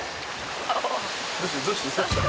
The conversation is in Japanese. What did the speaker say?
「どうした？